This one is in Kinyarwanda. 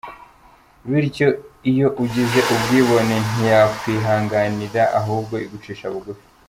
Bityo iyo ugize ubwibone ntiyakwihanganira ahubwo igucisha bugufi.